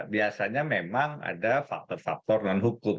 biasanya memang ada faktor faktor non hukum